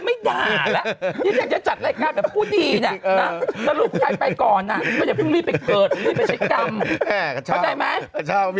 ไม่ได้พึ่งรีบไปเกิดรีบไปใช้กรรมเข้าใจไหมรอเอาไว้